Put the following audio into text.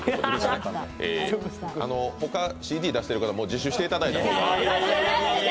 ほか、ＣＤ出している方、自首していただいた方が。